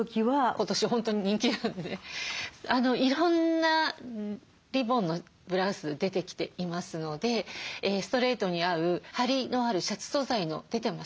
今年本当に人気なのでいろんなリボンのブラウス出てきていますのでストレートに合うハリのあるシャツ素材の出てます。